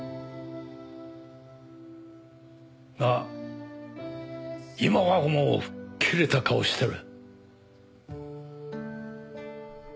が今はもう吹っ切れた顔してる。